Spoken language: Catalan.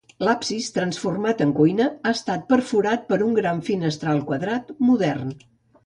L'absis, transformat en cuina, ha estat perforat per un gran finestral quadrat, modern.